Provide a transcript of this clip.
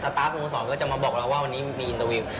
ตาร์ฟสโมสรก็จะมาบอกเราว่าวันนี้มีอินเตอร์วิว